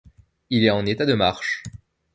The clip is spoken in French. Il est en état de marche.